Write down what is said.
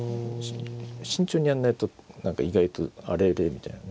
慎重にやんないと何か意外とあれれみたいなね。